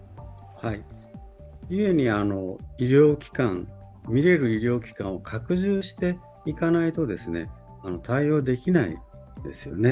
ゆえに診れる医療機関を拡充していかないと対応できないですよね。